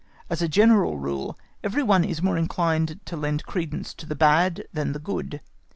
As a general rule, every one is more inclined to lend credence to the bad than the good.